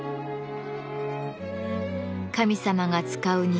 神様が使う日